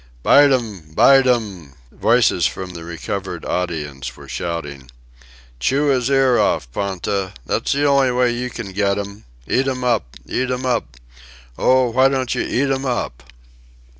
"Bite 'm! Bite 'm!" voices from the recovered audience were shouting. "Chew his ear off, Ponta! That's the only way you can get 'm! Eat 'm up! Eat 'm up! Oh, why don't you eat 'm up?"